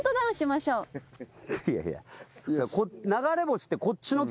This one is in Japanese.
いやいや。